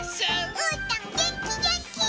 うーたんげんきげんき！